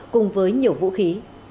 cùng với nhiều vũ khí